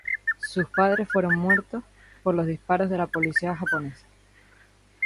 Sus padres fueron muertos por los disparos de la policía japonesa.